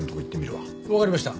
わかりました。